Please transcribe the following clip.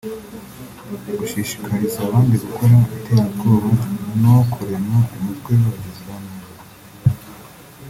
gushishikariza abandi gukora iterabwoba no kurema umutwe w’abagizi ba nabi